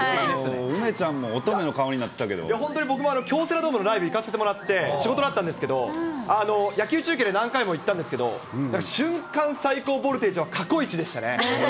梅ちゃんも乙女の顔になって本当に僕も京セラドームのライブ行かせてもらって、仕事だったんですけど、野球中継で何回も行ったんですけど、なんか瞬間最高ボルテージは過去一でしたね。